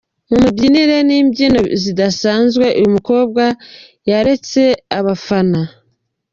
Mu mibyinire nimbyino zidasanzwe uyu mukobwa yeretse abafana.